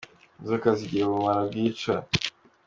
Inzoka zigira ubumara bwica.